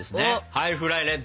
ハイフライレッド！